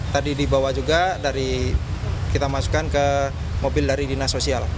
tadi dibawa juga dari kita masukkan ke mobil dari dinas sosial